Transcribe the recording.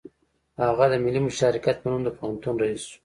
هغه د ملي مشارکت په نوم د پوهنتون رییس شو